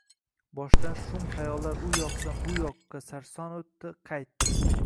Boshdan shum xayollar u yoqdan bu yoqqa sarson o’tdi, qaytdi